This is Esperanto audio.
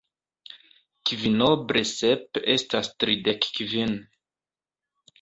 Kvinoble sep estas tridek kvin.